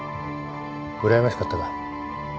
うらやましかったか？